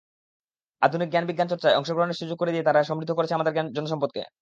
আধুনিক জ্ঞানবিজ্ঞান চর্চায় অংশগ্রহণের সুযোগ করে দিয়ে তারা সমৃদ্ধ করছে আমাদের জনসম্পদকে।